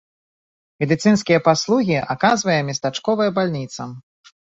Медыцынскія паслугі аказвае местачковая бальніца.